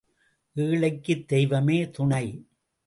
ஏழைக்குத் தெய்வமே துணை.